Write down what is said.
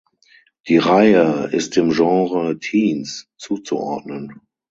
Die Reihe ist dem Genre "Teens" zuzuordnen.